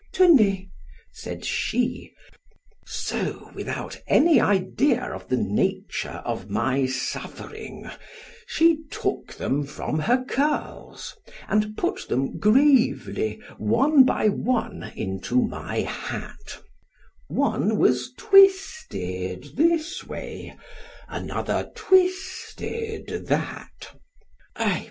Tenez—said she—so without any idea of the nature of my suffering, she took them from her curls, and put them gravely one by one into my hat——one was twisted this way——another twisted that——ey!